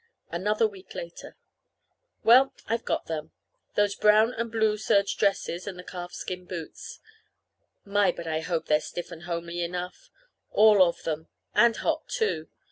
Another week later, Well, I've got them those brown and blue serge dresses and the calfskin boots. My, but I hope they're stiff and homely enough all of them! And hot, too.